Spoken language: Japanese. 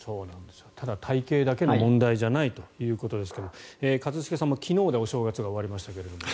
ただ、体形だけの問題じゃないということですが一茂さんも昨日でお正月が終わりましたが。